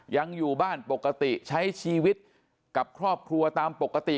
ยังอยู่บ้านปกติใช้ชีวิตกับครอบครัวตามปกติ